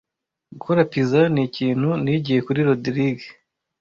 Gukora pizza nikintu nigiye kuri Rogride.